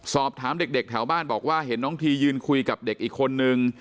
สอบถามเด็กแถวบ้านบอกว่าเห็นน้องทียืนคุยกับเด็กอีกคนนึง